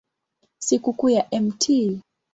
Sikukuu ya Mt.